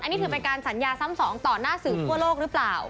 นี่ถือเป็นการสัญญาซ้ำสองต่อหน้าสื่อทั่วโลกหรือเปล่า